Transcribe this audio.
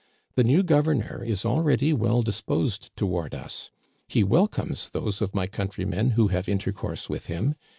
The new governor is already well disposed toward us. He welcomes those of my coun trymen who have intercourse with him.